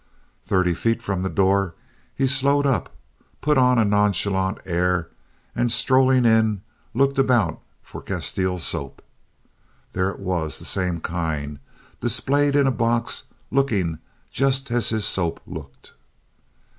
Thirty feet from the door he slowed up, put on a nonchalant air, and strolling in, looked about for Castile soap. There it was, the same kind, displayed in a box and looking just as his soap looked.